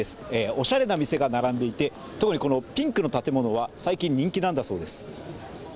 おしゃれな店が並んでいて特にピンクの建物は最近、人気なんだそうです。